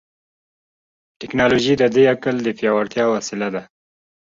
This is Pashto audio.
ټیکنالوژي د دې عقل د پیاوړتیا وسیله ده.